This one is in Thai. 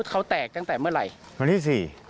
เขาแตกตั้งแต่เมื่อไหร่วันที่๔